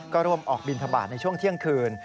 ก็ร่วมออกบินทบาทในช่วงเที่ยงคืน